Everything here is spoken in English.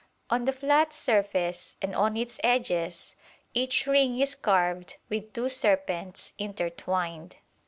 On the flat surface and on its edges each ring is carved with two serpents intertwined.